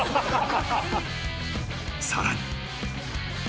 ［さらに］